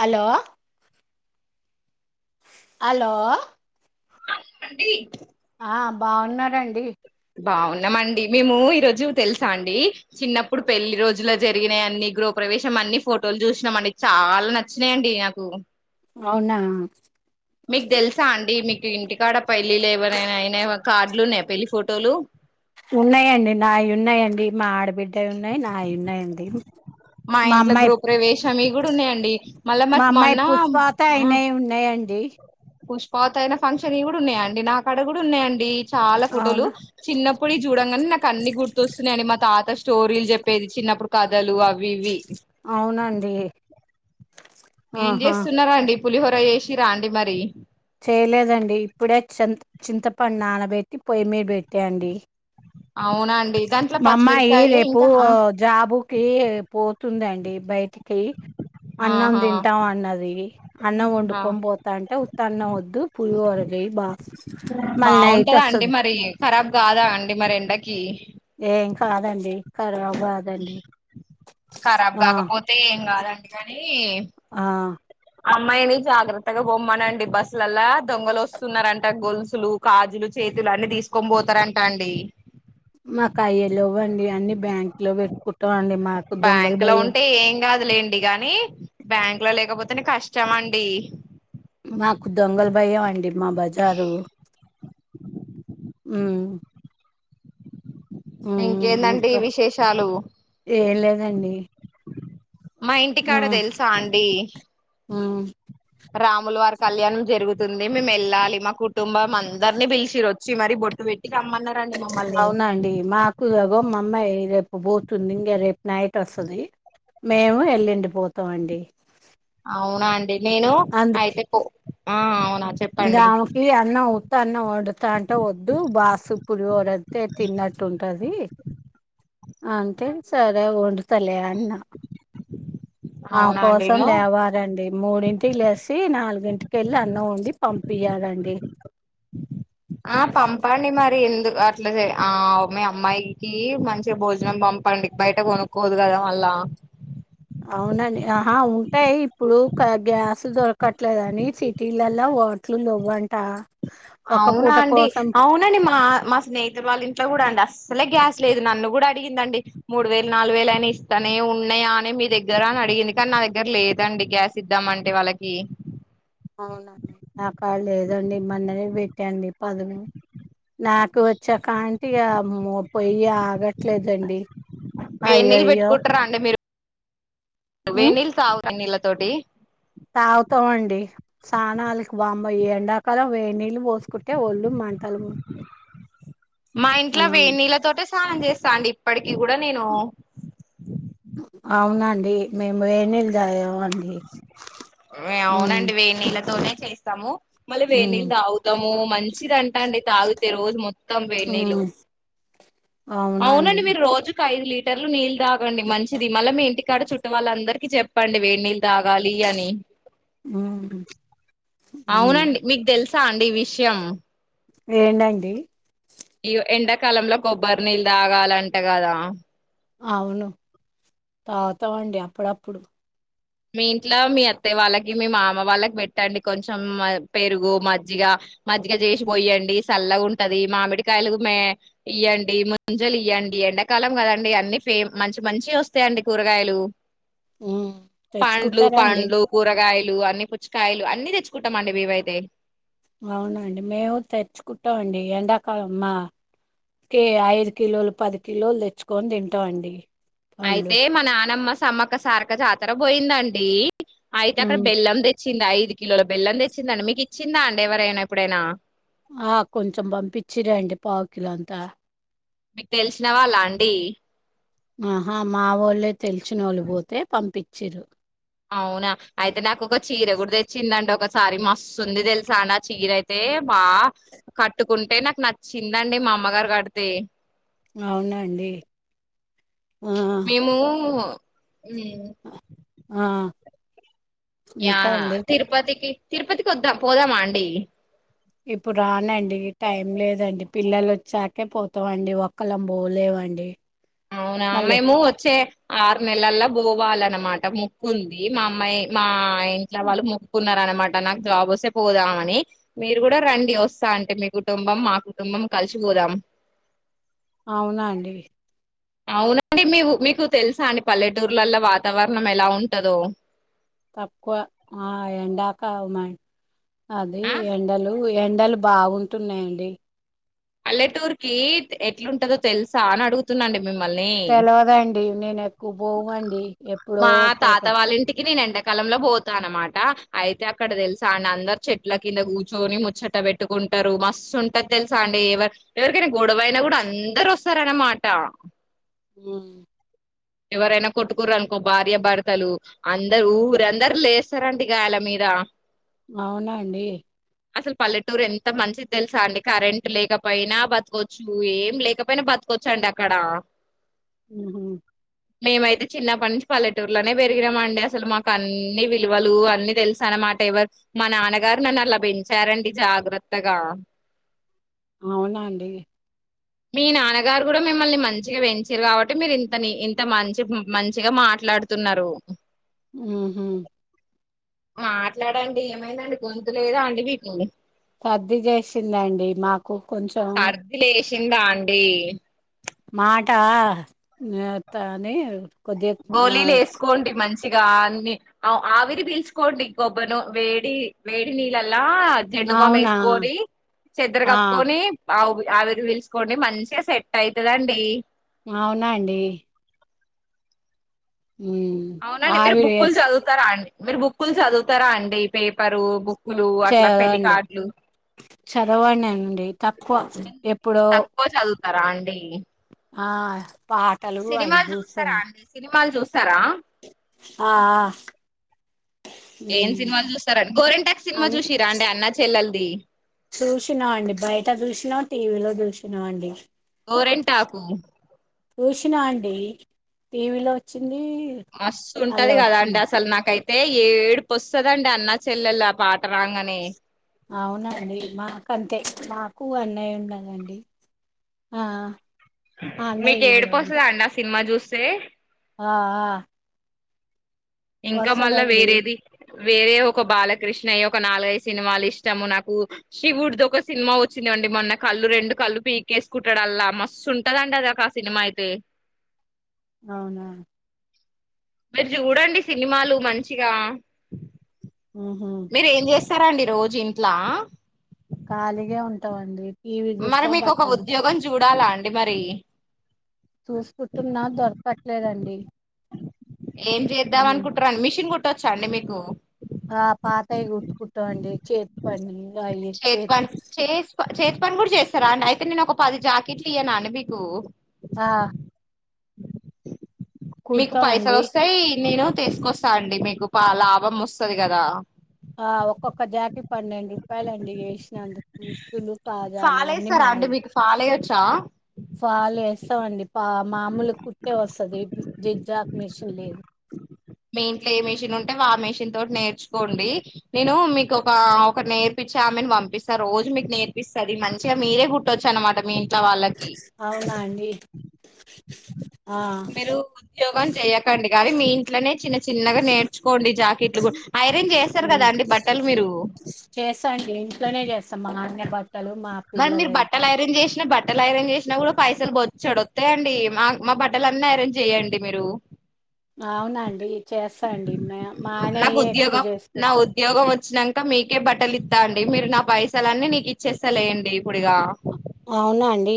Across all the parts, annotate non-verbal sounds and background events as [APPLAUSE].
Hello hello [UNINTELLIGIBLE] ఆ బాగున్నారండి బాగున్నామండి మేము ఈ రోజు తెలుసా అండి చిన్నప్పుడు పెళ్లి రోజులో జరిగిన అన్ని గ్రూ ప్రవేశం అన్ని ఫోటోలు చూసినాం అండి చాలా నచ్చినాయండి నాకు అవునా మీకు తెలుసా అండి మీకు ఇంటికాడ పెళ్లిిల్లు ఏవన్నా అయినా కార్డులు ఉన్నాయి పెళ్లిి ఫోటోలు ఉన్నాయండి నావి ఉన్నాయండి మా ఆడ బిడ్డవి ఉన్నాయి నా వి ఉన్నాయండి మా అమ్మాయి హా మీ వి కూడా ఉన్నాయండి మళ్ళా మా అమ్మాయి మొన్న పుష్పావత ఆ అయినవి ఉన్నాయండి పుష్పావతి అయిన ఫంక్షన్ వి కూడా ఉన్నాయంండి నాక్కడ కూడా ఉన్నాయండి చాలా ఫోటోలు అవునా చిన్నప్పుడ చూడంగానే నాకు అన్ని గుర్తుొస్తున్నాయండి మా తాత స్టోరీలు చెప్పేది చిన్నప్పుడు కథలు అవి ఇవి అవునండి ఏం ఆహా చేస్తున్నారండి పులిహోర చేసి రా అండి మరి చేయలేదండి ఇప్పుడే చెం-చింతపండు నానబెట్టి పొయ్యి మీద పెట్టా అండి అవునా అండి దాంట్లో మా మామ్మాయి పచ్చిమిరపకాయలు రేపు ఇంకా ఆ జాబుకి పోతుందండి బయటికి అన్నం ఆహా తింటాం అన్నది అన్నం ఆ వండుకొని పోతా అంటే తన్న వద్దు పులిహోర చేయి బా మళ్ళీ నైట్ బాగుంటదా వస్తది అండి మరి ఖరాబ్ కాదా అండి మరి ఎండకి ఏం కాదండి కర కరాబ్ ఆ కాకపోతే ఏం కాదండి కానీ ఆ అమ్మాయిని జాగ్రత్తగా బొమ్మనండి బస్సులల్లా దొంగలు వస్తున్నారంట గొలుసులు కాజులు చేతులు అన్ని తీసుకొని పోతారంటా అండి మాకు అయ్యలు ఇవ్వండి అన్ని బ్యాంక్ లో పెట్టుకుంటాం అండి మాకు దొంగల బ్యాంక్ లో భయం ఉంటే ఏం కాదులేండి గాని బ్యాంక్ లో లేకపోతేనే కష్టం అండి మాకు దొంగలు భయం అండి మా బజారు మ్ మ్ ఇంకేందండి ఇంకా విశేషాలు ఏం లేదండి మా ఇంటికాడ తెలుసా అండి మ్ రాములు వారి కళ్యాణం జరుగుతుంది మేము వెళ్ళాలి మా కుటుంబం అందరినీ పిలిచిర్రూ వచ్చి మరి బట్టు వెట్టి రమ్మన అవునా అండి మాకు గో అమ్మాయి రేపు పోతుంది ఇంకా రేపు నైట్ వస్తది మేము ఎల్లుండి పోతాం అండి అవునా అండి నేను అయితే కో ఆ అవు ఇంగ ఆమెకి అన్న ఉత్త అన్నం వండుతా అంటే వద్దు బాసు పులిహోరైతే తిన్నట్టు ఉంటది అంతే సరే వండుతలే అ న ఆమె అవునా అండి కోసం నేను లేవాలండి మూడింటికి లేసి నాలుగు ఇంటికెళ్ళి అన్నం వండి పంపియాలండి ఆ పంపండి మరి ఎందుకు అట్లా ఆ మీ అమ్మాయికి మంచిగా భోజనం పంపి పండక్ బయట కొనుకోదుగాద మల్ల అవునండి ఆహా ఉంటాయి ఇప్పుడు గ్యాస్ దొరకట్లేదని సిటీలలా వా ఎట్లు లెవ్వంట ఒక అవునా పూట అండి కోసం అవునండి మా మా స్నేహితులు వాళ్ళ ఇంట్లో కూడా అండి అస్ అసలే గ్యాస్ లేదు నన్ను కూడా అడిగిందండి మూడు వేలు నాలుగు వేలు ఐన ఇస్తానే ఉన్నాయా అనే మీ దగ్గర అని అడి అడిగింది కానీ నా దగ్గర లేదండి గ్యాస్ ఇద్దాంమంటే వాళ్ళకి అవునం నాకాడ లేదండి మన్ననే పెట్టా అండి పదును నాకు వచ్చా కాంట ఇగ పొయ్యి ఆగట్లేదండి వేడ్ నీళ్ళు అయ్యయ్యో పెట్టుకుంటారా అండి మీరు వెనిల్లు తాగు నీళ్ల తోటి తాగుతాండి స్నాలకి వామ్మో ఎండాకాలం వేనీళ్ళు పోసుకుంటే ఒళ్ళు మ మంటలు మా ఆ ఇంట్లో వేనీళ్ల తోటే స్నానం చేస్తా అండి ఇప్పటికి కూడా నేను అవునండి మేము ఏ నీళ్లు తాగాము అవునండి వేనీళ్ళతోనే చేస్తాము మళ్ళీ వేడినీళ్లు తాగుతాము మంచిదంట అండి తాగితే రోజు మొత్తం వేనీళ్లు ఉమ్ అవునండి మీరు రోజుకు ఐదు లీట్ టర్లు నీళ్ళ తాగండి మంచిది మళ్ళీ మీ ఇంటికాడ చుట్టూ వాళ్ళ అందరికిీ చెప్పండి వేడి నీళ్లు తాగాలి అని ఉమ్ ఉమ్ అవునండి మీకు తెలుసు స ఈ విషయం ఏంటండీ ఈ ఎండాకాలంలో కొబ్బరి నీళ్ళు తాగాలంట కదా అవును తాగుతామండి అప్పుడప్పుడు మీ ఇంట్లో మీ అత్తయ్య వాళ్ళకి మీ మామ వాళ్ళకి పెట్టండి కొంచెం పెరుగు మజ్జిగ మజ్జిగ చేసిపోయండి చల్లగా ఉంటది మామిడికాయలు మే ఇయ్యండి ముంజలు ఇయ్యం ఎండాకాలం కదండి అన్ని ఫే మంచి మంచి వస్తాయండి కూరగాయలు ఉమ్ పండ్లు తెచ్చుకుంటారండి పండ్లు కూరగాయలు అన్ని పుచ్చకాయలు అన్ని తెచ్చుకుంటామ అండి మేవైతే అవునండి మేము తెచ్చుకుంటాండి ఎండాకాలం మా కే ఐదు కిలోలు పది కిలోలు తెచ్చుకొని తింటాండి అయితే మా నానమ్మ సమ్మక్క సారక్క జాతర పోయిందండి అయితే అక్కడ ఉమ్ బెల్లం తే ఇచ్చిందా ఐదు కిలోల బెల్లం తెచ్చిందండి మీకు ఇచ్చిందా అండి ఎవరైనా ఇప్పుడైనా ఆ కొంచెం పంపించిరండి పావుకిలో అంతా మీకు తెలిసిన వాళ్ళాండి ఆహా మా వాళ్ళే తెలిసినోళ్లు పోతే పంపించిర్రు అవునా అయితే నాకు ఒక చీర కూడా తెచ్చిందండి ఒక సారీ మస్తుంది తెలుసా నా చీరయితే బాగా కట్టుకుంటే నాకు నచ్చిందండి మామ్మగారు కడితే అవునండి ఆ ఉ ఆ యా ఇంకా అండి. తిరుపతికి తిరుపతికి వద్దా పోదామా అండి ఇప్పుడు రానండి టైం లేదండి పిల్లలు వచ్చాకే పోతాండి ఒక్కళం పోలే అండి అవునా మేము వచ్చే ఆరు నెలల్ల పోవాలన్నమాట ముక్కు ఉంది మా అమ్మాయి మా మా ఇంట్లో వాళ్ళు మొకున్నారన్న మాట నాకు జాబ్ వస్తే పోదామ అని మీరు కూడా రండి వస్తా అంటే మీ కుటుంబం మా కుటుంబం కలిసి పోదాం అవునా అండి అవునండి మీ మీకు తెలుసా అండి పల్లెటూర్లలో వాతావరణం ఎలా ఉంటదో తక్కువ ఆ ఎండాక మా అది ఆ ఎండలు ఎండలు బాగుంటున్నాయండి పల్లెటూర్ కి ఎట్లుంటందో తెలుసా అని అడుగుతున్నాండి మిమ్మల్ని తెలవదండి. నేను ఎక్కువ పోవండి. ఎప్పుడో మా తాత పోతాం. వాళ్ళ ఇంటికి నేను ఎండ కాలంల పోతానా అన్నమాట అయితే అక్కడ తెలుసా అందరు చెట్ల కింద కూర్చొని ముచ్చట పెట్టుకు టారు మస్తు ఉంటది తెలుస అ ఎవరికైనా గొడవైనా కూడా అందరూ వస్తారన్నమాట ఉ ఎవరైనా కొట్టుకుండ్రనుకో భార్య భర్తలు అందరు ఊరందరు లేస్తారండి ఇగ వాళ్ల మీద. ఆహ్. అవునా అండి. అసలు పల్లెటూరు ఎంత మంచిది తెలుసా అండి. కరెంట్ లేకపోయినా బతుకోచ్చు ఏం లేకపోయినా బతు. తీసుకొచ్చండి అక్కడ. ఉమ్. మేమైతే చిన్నప్పటి నుంచి పల్లెటూరులోనే పెరిగినమండి అసలు మాకు అన్ని విలువలు అన్ని తెలుసానమా. మాటే ఎవరు మా నాన్నగారు నన్ను అలా పెంచారండి జాగ్రత్తగా. అవునా అండి. మీ నాన్నగారు కూడా మిమ్మల్ని మంచిగా పెంచారు కాబట్టి మీరు ఇంత ఇంత మంచి మంచిగా మాట్లా మాట్లాడుతున్నారు. ఉమ్మ్. మాట్లాడండి ఏమైందండి గొంతు లేదా అండి మీకు. సర్ది చేసిందండి మాకు కొంచెం. చిందా అండి. మాట న అని. కొద్దిగా ఆ గోలీలు వేసుకోండి మంచ్. గా అన్ని అ ఆవిరి పీల్చకోండి కోబ్బరి నూ వేడి వేడి నీళ్ళ. అలా జండుబామ్ అవునా వేసుకొని చెద్దర ఆ కప్పుకొని. ఆవు రి ఆవిరి పీల్సుకోండి మంచిగా సెట్ అయితదండి. అవునా అండి. ఉమ్, అవునండి మీరు ఆవిరి బుక్కులు వేసి చదువుతారా అండి. మీరు బుక్కులు చదువుతారా అండి పేపరు బుక్. కులు అట్లా పెళ్లి కార్డులు. చదవానండి తక్కువ ఎప్పుడో. కర అండి. ఆహ్ పాటలు అయి సినిమాలు చూస్తారా చూస్తామండి. అండి సినిమాలు చూస్తారా ఆహ్ హ్. ఏం సినిమాలు చూస్తారండి గోరెంటాకు సినిమా చూసింరా అండి అన్న చెల్లెల్ది. చూసినా అండి బయట చూసినా టీవీలో చూసినా అండి. గోరింటాకు. చూసినా అండి టీవీలో వచ్చి. మస్తు ఉంటది కదా అండి అసలు నాకైతే ఏడుపు వస్తదండి అన్న చెల్లెళ్ల ఆ పాట. రాంగనే అవునండి మా అక్క అంతే. నాకు అన్నయ్య ఉన్నరండి ఆహ్. మీకు ఏడుపొస్తదా అండి ఆ సినిమా చూస్తే. ఆహ్. ఇంక మళ్ళా వేరేది. వేరే ఒక బాలక్రిష్ణ అయ్య ఒక నాలుగైదు సినిమాలు ఇష్టము నాకు శివుడ్ దోక సినిమా వచ్చింది. అండి మొన్న కళ్ళు రెండు కళ్ళు పీకేసుకుంటాడు. అల్లా మస్తు ఉంటదండి అదొ ఒక ఆ సినిమా అయితే. అవునా. మీరు చూడండి సినిమాలు మంచిగా. ఉమ్మ్ మ్మ్. సరే అండి రోజింట్లా. ఖాళీగా ఉంటామండి. టీవీ మరి చూస్తా మీకోక బట్టలు ఉద్యోగం చూడాలా అండి మరి. చూసుకుంటున్న దొరకట్లేదండి. ఏం చేద్దాం ఉమ్ అనుకుంటారండి మిషన్ కుట్టచ్చా అండి మీకు. ఆహ్ పాతయి కుట్టుకుంటాండి చేతి పని. చేతి పని చేస్. చేతి పని కూడా చేస్తారా అండి. అయితే నేను ఒక పది జాకెట్లు ఇయన అండి మీకు. ఆ మీకు పైసలు కుడతామండి ఒస్తయ్ నేను తీసుకొస్తా అండి మీకు పా లాభం ఒస్తది కదా ఆ ఒక్కొక్క జాకెట్ పన్నెండు రూపాయలండి ఏసినందుకు ఉక్కులు కాజాలు ఫాల్ అన్ని వేస్తారా అండి మాయే మీకు ఫాల్ వేయొచ్చా ఫాల్ యస్ అండి పా మామూలు కుట్టే ఒస్తది జిజాక్ మిషన్ లేదు మీ ఇంట్లో ఏ మిషన్ ఉంటే వా మిషన్ తోటి నేర్చుకోండి నేను మీకు ఒక ఒక నేర్పిచ ఆమని పంపిస్తా రోజు మీకు నేర్పిస్తది మంచిగా మీరే కుట్టొచ్చు అనమాట మీ ఇంట్లో వాళ్ళకి అవునా అండి. ఆ మీరు ఉద్యోగం చెయ్యకండి కాని మీ ఇంట్లనే చిన్న చిన్నగా నేర్చుకోండి జాకెట్లు కు ఐరెన్ చేస్తరు కదా అండి బట్టలు మీరు చేస్తా అండి ఇంట్లోనే చేస్తాం మా ఆయన బట్టలు మా మరి మీర్ పిల్లలయి బట్టలు ఇరన్ చేసినా బట్ బట్టలు ఐరన్ చేసినా కూడా పైసలు బొచ్చడు ఒత్తయండి మ మా బట్టలు అన్నీ ఐరన్ చేయ్యండి మీరు అవునండి చేస్తా అండి మ్య మాఐనయే ఎక్కువ చేసుకు చ్చినంక మీకే బట్టలు ఇత్తా అండి మీరు నా పైసలన్నీ నీకు ఇచ్చేస్తలేండి ఇప్పుడిగా అవునా అండి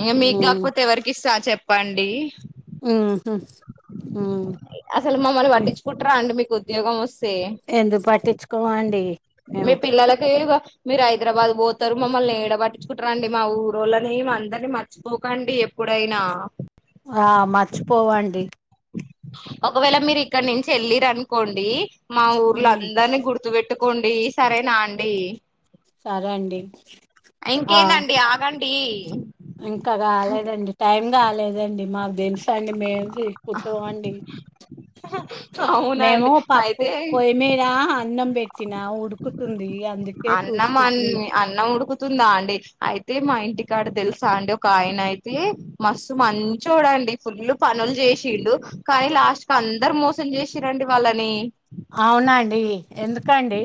ఇగ మీక్ ఉమ్ కాకపోతె ఎవరికిస్తా చెప్పండీ ఉహు ఉమ్ ఉమ్, అసలు మమ్మల్ని ఉమ్. పట్టించుకుంట్రా అండి మీకు ఉద్యోగం ఒస్ స్తే ఎందుకు పట్టించుకోమండి మీ మేము పిల్లలకి మీర్ ఐదరాబాద్ బోతరు మమ్మల్ని ఏడ పట్టించుకుటరండి మా ఊరోళ్ళని మా అందర్ని మర్చిపోకండి ఎప్పుడైనా ఆ మర్చిపోవండి ఒకవేళ మీరిక్కడ్నించి ఎళ్ళిర్రు అనుకోండి. మా ఊర్లో ఉమ్ అందర్నీ గుర్తుపెట్టుకోండి సరేనా అండి సరే అండి ఆ ఇంకేందండి ఆగండి ఇంక కాలేదండి టైమ్ కాలేదండి మాక్ దెల్సా అండి మే చేస్కుటం అండి మేము అవునండి పప్పు అయితే పొయ్యి మీదా అన్నం పెట్ అన్నం అ చూసుకుంటున్నా అన్నం ఉడుకుతుందా అండీ అయితే మా ఇంటికాడ తెలుసా అండి ఒక ఆయన అయితే మస్త్ మంచోడండి ఫుల్ పనులు చే చిండు కాని లాస్ట్ కందరు మోసం చేసిర్రండి వాళ్ళని అవునా అఎడి ఎందుకండి?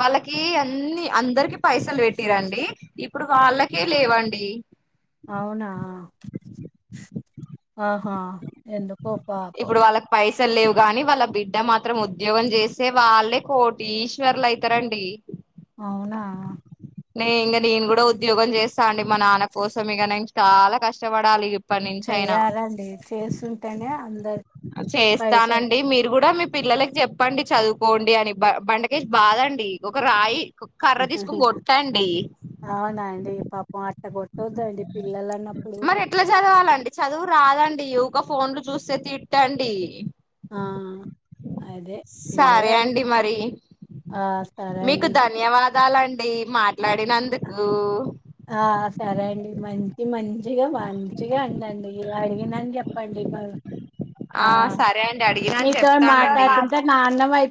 వాళ్ళకి అన్ని అందరికి పైసలు పెట్టిరండి ఇప్పుడు వాళ్ళకే లేవండి. అవునా ఆహా ఎందు ఇప్పుడు వాళ్ళకి పైస లేవు గాని వాళ్ళ బిడ్డ మాత్రం ఉద్యోగం చేస్సే వాళ్ళే కోటీశ్వర్లు అయితరండి. అవునా? నే ఇంకా నేను కూడా ఉద్యోగం చేస్తా అండి మా నాన్న కోసం ఇక చాలా కష్టపడాలి. ఇప్పటి నుంచి అయినా చేయ్యాలండి చేస్తుంటేనే అందరు చేస్తానండి మీరు కూడా మీ ప్ పిల్లలకి చెప్పండి చదువుకోండి అని బ బండకేసి బాదండి ఒక రాయి కర్ర తీసుకుని కొట్టండి. కోట్ట కూడ్ మరి ఎట్లా చదవాలండి చదువు రాదం ఇవ్క ఫోన్లు చూస్తే తిట్టండి. ఆ అదే పిల్లలు సరే అన్న అండి మరి ఆ సరే మీకు అండి ధన్యవాదాలండి మా మడినందుకు ఆ సరే అండి మంచి మంచిగా మంచిగా ఉండండి అడిగినని చెప్పండి. ఆ సరే అండి అడిగినాను నీతోని చెప్తానండి మాట్లాతుంటే నా అన్నం అయి